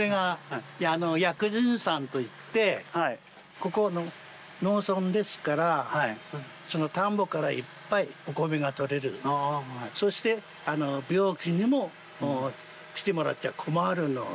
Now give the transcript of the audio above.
ここ農村ですから田んぼからいっぱいお米がとれるそして病気にも来てもらっちゃ困るのでこういう人形を作って。